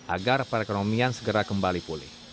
agar perekonomian segera kembali pulih